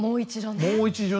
もう一度ね。